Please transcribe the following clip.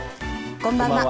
こんばんは。